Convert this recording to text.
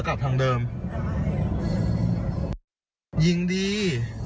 มันไปไม่ได้